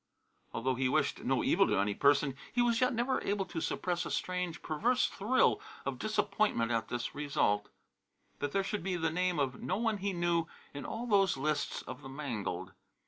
Although he wished no evil to any person, he was yet never able to suppress a strange, perverse thrill of disappointment at this result that there should be the name of no one he knew in all those lists of the mangled.